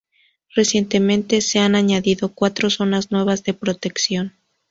Recientemente, se han añadido cuatro zonas nuevas de protección.